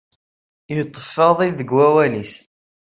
Yeṭṭef Faḍil deg wawal-is.